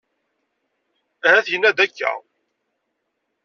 Ahat yenna-d akka.